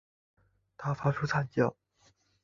他发出惨叫